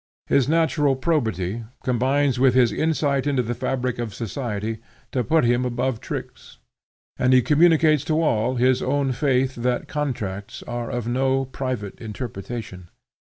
His natural probity combines with his insight into the fabric of society to put him above tricks, and he communicates to all his own faith that contracts are of no private interpretation.